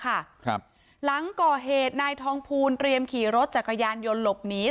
ครับหลังก่อเหตุนายทองภูลเตรียมขี่รถจักรยานยนต์หลบหนี